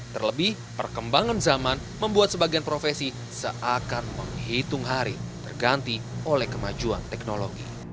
terlebih perkembangan zaman membuat sebagian profesi seakan menghitung hari terganti oleh kemajuan teknologi